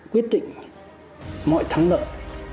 quyết định mọi thắng lợi